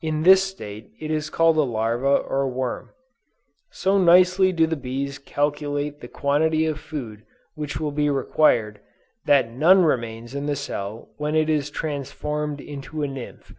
In this state it is called a larva or worm. So nicely do the bees calculate the quantity of food which will be required, that none remains in the cell when it is transformed to a nymph.